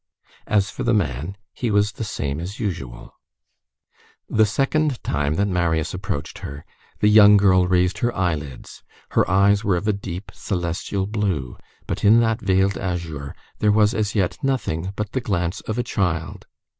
As for the man, he was the same as usual. The second time that Marius approached her, the young girl raised her eyelids; her eyes were of a deep, celestial blue, but in that veiled azure, there was, as yet, nothing but the glance of a child.